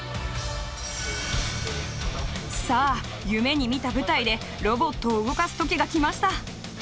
さあ夢に見た舞台でロボットを動かす時が来ました。